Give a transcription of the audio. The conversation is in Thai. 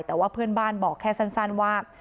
แต่ว่าเพื่อนบ้านบอกแค่สั้นว่า